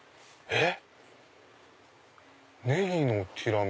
えっ？